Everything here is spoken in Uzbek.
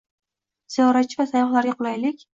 Ziyoratchi va sayyohlarga qulaylik